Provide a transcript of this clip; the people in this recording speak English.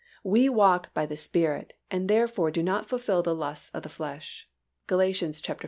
We walk by the Spirit and therefore do not fulfill the lusts of the flesh (Gal. v.